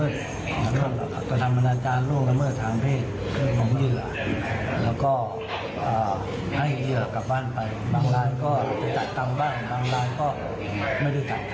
บางลิงก็ไม่ได้จัดการ